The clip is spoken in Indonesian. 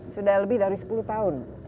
sudah lebih dari sepuluh tahun